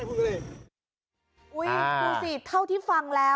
อุ๊ยทุกสีเท่าที่ฟังแล้ว